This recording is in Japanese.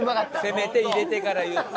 せめて入れてから言って。